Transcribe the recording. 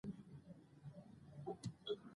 خو د عصري پوهې د پاره دې